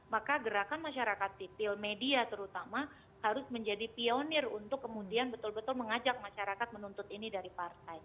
maka gerakan masyarakat sipil media terutama harus menjadi pionir untuk kemudian betul betul mengajak masyarakat menuntut ini dari partai